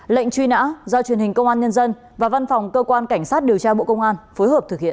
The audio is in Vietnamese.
lệnh truy nã do truyền hình công an nhân dân và văn phòng cơ quan cảnh sát điều tra bộ công an phối hợp thực hiện